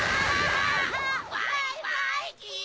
バイバイキン！